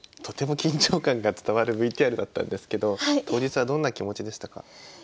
とても緊張感が伝わるＶＴＲだったんですけど当日はどんな気持ちでしたか？